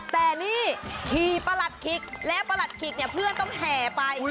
แต่นี่ขี่ประหลัดขิกแล้วประหลัดขิกเนี่ยเพื่อนต้องแห่ไป